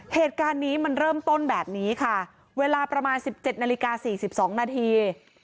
เหตุการณ์นี้มันเริ่มต้นแบบนี้ค่ะเวลาประมาณ๑๗นาฬิกา๔๒นาที